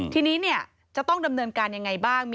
ทีนี้จะต้องดำเนินการยังไงบ้าง